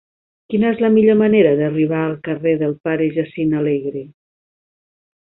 Quina és la millor manera d'arribar al carrer del Pare Jacint Alegre?